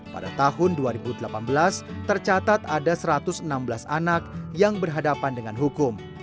pada tahun dua ribu delapan belas tercatat ada satu ratus enam belas anak yang berhadapan dengan hukum